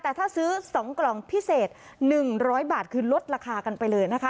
แต่ถ้าซื้อ๒กล่องพิเศษ๑๐๐บาทคือลดราคากันไปเลยนะคะ